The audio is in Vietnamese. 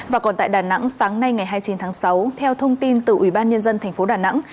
và còn tại đà nẵng sáng nay ngày hai mươi chín tháng sáu theo thông tin từ ủy ban nhân dân thành phố đà nẵng